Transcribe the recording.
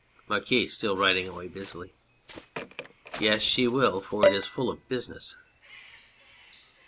MARQUIS (still writing away busily). Yes, she wil for it is full of business.